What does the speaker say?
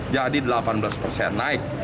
jadi delapan belas persen naik